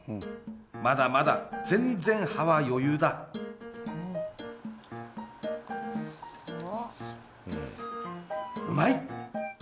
まだまだ全然歯は余裕だうまい！